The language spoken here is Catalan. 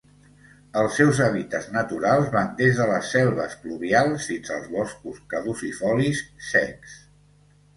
Els seus hàbitats naturals van des de les selves pluvials fins als boscos caducifolis secs.